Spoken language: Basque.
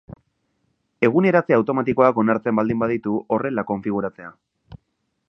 Eguneratze automatikoak onartzen baldin baditu, horrela konfiguratzea.